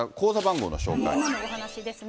今のお話ですね。